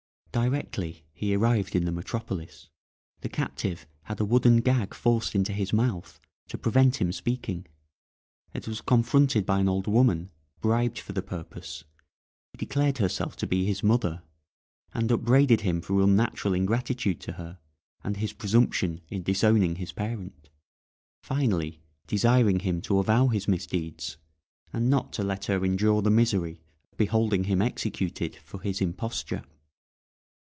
Directly he arrived in the metropolis the captive had a wooden gag forced into his mouth to prevent him speaking, and was confronted by an old woman, bribed for the purpose, who declared herself to be his mother, and upbraided him for unnatural ingratitude to her, and his presumption in disowning his parent; finally, desiring him to avow his misdeeds, and not to let her endure the misery of beholding him executed for his imposture.